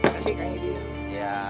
kasih kaya dia